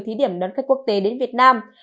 thí điểm đón khách quốc tế đến việt nam